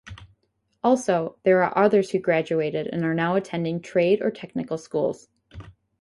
Also there are others who graduated and are now attending trade or technical schools.